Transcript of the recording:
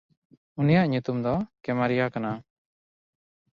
ᱩᱱᱤᱭᱟᱜ ᱧᱩᱛᱩᱢ ᱫᱚ ᱠᱮᱢᱟᱨᱮᱭᱟ ᱠᱟᱱᱟ᱾